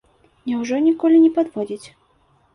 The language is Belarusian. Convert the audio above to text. Няўжо ніколі не падводзіць?